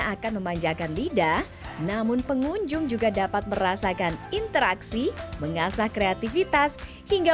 akan memanjakan lidah namun pengunjung juga dapat merasakan interaksi mengasah kreativitas hingga